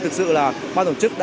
thực sự là ba tổ chức